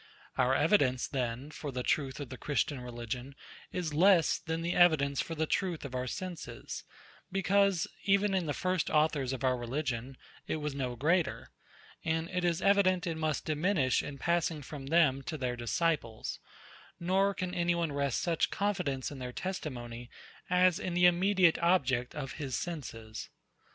Our evidence, then, for the truth of the Christian religion is less than the evidence for the truth of our senses; because, even in the first authors of our religion, it was no greater; and it is evident it must diminish in passing from them to their disciples; nor can any one rest such confidence in their testimony, as in the immediate object of his senses.